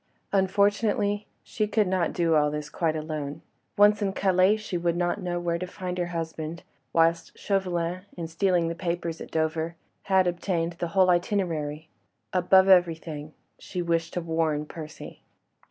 Unfortunately, she could not do all this quite alone. Once in Calais she would not know where to find her husband, whilst Chauvelin, in stealing the papers at Dover, had obtained the whole itinerary. Above everything, she wished to warn Percy.